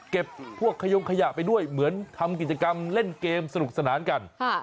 พวกขยงขยะไปด้วยเหมือนทำกิจกรรมเล่นเกมสนุกสนานกัน